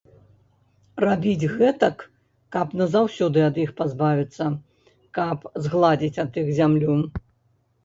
Рабіць гэтак, каб назаўсёды ад іх пазбавіцца, каб згладзіць ад іх зямлю.